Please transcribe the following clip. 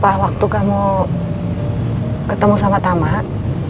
wah waktu kamu ketemu sama tamat